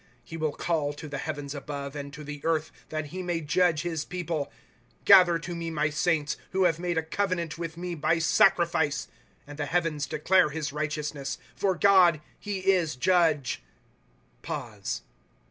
* He will call to the heavens above, And to the earth, that he may judge his people ;" Gather to me my saints, Who have made a covenant with me hy sacrifice. ^ And the heavens declare his righteousness ; For God, he is judge. {Pause.)